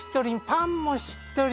パンもしっとり。